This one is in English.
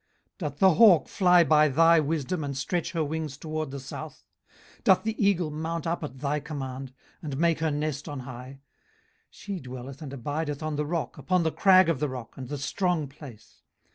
18:039:026 Doth the hawk fly by thy wisdom, and stretch her wings toward the south? 18:039:027 Doth the eagle mount up at thy command, and make her nest on high? 18:039:028 She dwelleth and abideth on the rock, upon the crag of the rock, and the strong place.